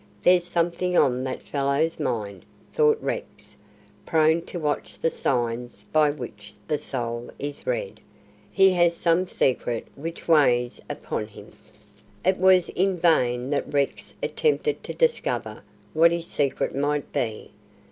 "There's something on that fellow's mind," thought Rex, prone to watch the signs by which the soul is read. "He has some secret which weighs upon him." It was in vain that Rex attempted to discover what this secret might be.